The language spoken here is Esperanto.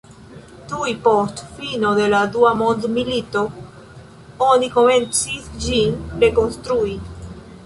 Tuj post fino de la dua mondmilito oni komencis ĝin rekonstrui.